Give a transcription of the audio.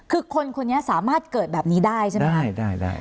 คือคนคนนี้สามารถเกิดแบบนี้ได้ใช่ไหมได้ได้ได้